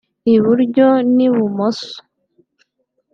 i-buryo n’i-bumoso